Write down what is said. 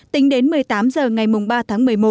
tính đến một mươi tám h ngày ba tháng một mươi một